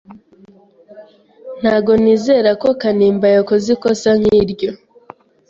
Ntabwo nizera ko Kanimba yakoze ikosa nk'iryo.